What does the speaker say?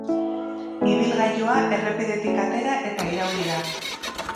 Ibilgailua errepidetik atera eta irauli da.